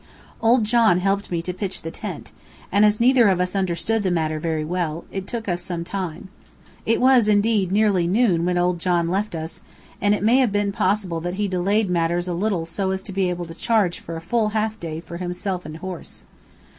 Old John helped me pitch the tent, and as neither of us understood the matter very well, it took us some time. It was, indeed, nearly noon when old John left us, and it may have been possible that he delayed matters a little so as to be able to charge for a full half day for himself and horse.